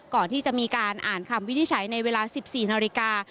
ก่อนที่จะมีการอ่านคำวินิจฉัยในเวลา๑๔นาฬิกา